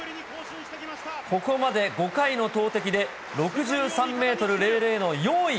ここまで５回の投てきで６３メートル００の４位。